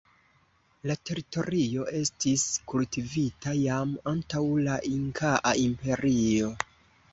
La teritorio estis kultivita jam antaŭ la Inkaa Imperio.